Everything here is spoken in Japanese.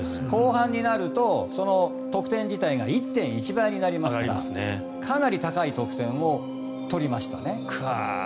後半になると得点自体が１．１倍になりますからかなり高い得点を取りましたね。